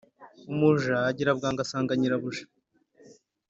umuja agira bwangu asanga nyirabuja